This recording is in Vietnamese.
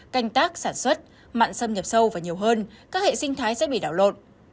canh tác sản xuất mặn xâm nhập sâu và nhiều hơn các hệ sinh thái sẽ bị đảo lộn